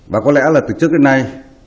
và có lẽ là từ trước đến nay